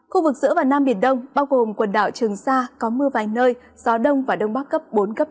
khu vực giữa và nam biển đông bao gồm quần đảo trường sa có mưa vài nơi gió đông và đông bắc cấp bốn cấp năm